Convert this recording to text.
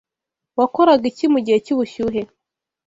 Wakoraga iki mugihe cy'ubushyuhe